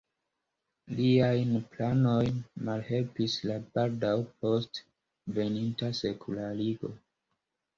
Liajn planojn malhelpis la baldaŭ posta veninta sekularigo.